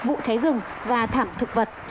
vụ cháy rừng và thảm thực vật